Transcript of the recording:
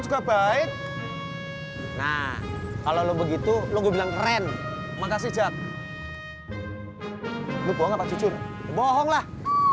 juga baik nah kalau begitu lu bilang keren makasih zat lu bohong apa jujur bohonglah